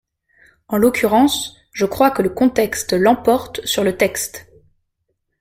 En l’occurrence, je crois que le contexte l’emporte sur le texte.